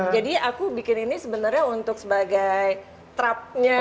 jadi aku bikin ini sebenarnya untuk sebagai trapnya